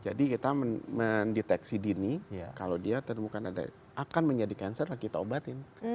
jadi kita mendeteksi dini kalau dia akan menjadi cancer lah kita obatin